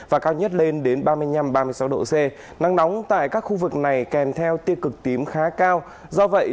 và cao nhất lên đến ba mươi năm ba mươi sáu độ c nắng nóng tại các khu vực này kèm theo tiêu cực tím khá cao do vậy